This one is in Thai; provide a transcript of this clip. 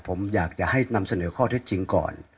ผมอยากจะให้นำเสนอข้อเท็จจริงก่อน